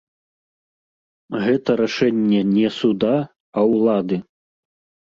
Гэта рашэнне не суда, а ўлады.